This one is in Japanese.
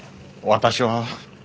私は？